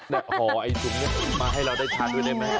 แต่ขอไอ้ชุมเนี้ยมาให้เราได้ชัดด้วยได้ไหม